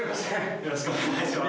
よろしくお願いします。